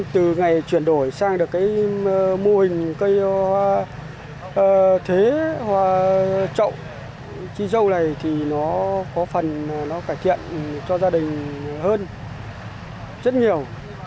từ ngày chuyển đổi sang được mô hình cây hoa thế hoa trộm chi dâu này thì nó có phần cải thiện cho gia đình hơn rất nhiều